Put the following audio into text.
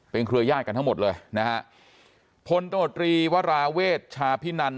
เครือยาศกันทั้งหมดเลยนะฮะพลตมตรีวราเวชชาพินัน